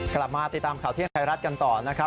กลับมาติดตามข่าวเที่ยงไทยรัฐกันต่อนะครับ